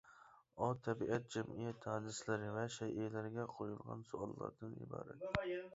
ئۇ تەبىئەت، جەمئىيەت ھادىسىلىرى ۋە شەيئىلەرگە قويۇلغان سوئاللاردىن ئىبارەت.